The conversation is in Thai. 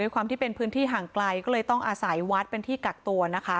ความที่เป็นพื้นที่ห่างไกลก็เลยต้องอาศัยวัดเป็นที่กักตัวนะคะ